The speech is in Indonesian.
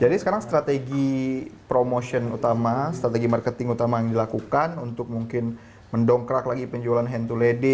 jadi sekarang strategi promotion utama strategi marketing utama yang dilakukan untuk mungkin mendongkrak lagi penjualan hand to lady